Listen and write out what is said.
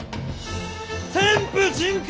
天賦人権！